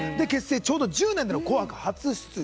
ちょうど１０年での「紅白」初出場